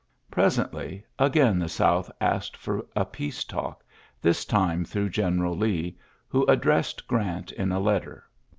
^' Presently again the Sontb asked for a peace talk^ this time throngli General Lee^ who addressed Grant in a letter.